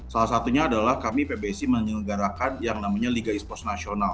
salah satunya adalah kami pbc menyelenggarakan yang namanya liga esports nasional